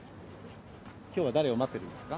きょうは誰を待ってるんですか？